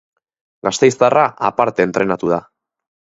Gasteiztarra aparte entrenatu da.